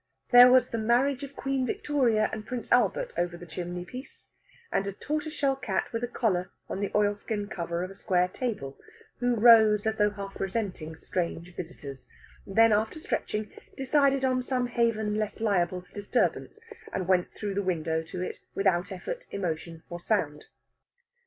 There was the marriage of Queen Victoria and Prince Albert over the chimney piece, and a tortoiseshell cat with a collar on the oilskin cover of a square table, who rose as though half resenting strange visitors; then, after stretching, decided on some haven less liable to disturbance, and went through the window to it without effort, emotion, or sound.